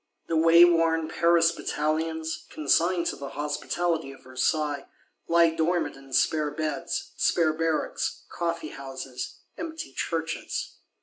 The wayworn Paris Batallions, consigned to "the hospitality of Versailles," lie dormant in spare beds, spare barracks, coffeehouses, empty churches.